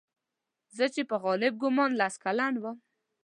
زه چې په غالب ګومان لس کلن وم.